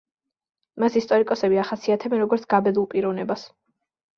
მას ისტორიკოსები ახასიათებენ, როგორც გაბედულ პიროვნებას.